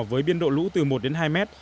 với biên độ lũ từ một đến hai mét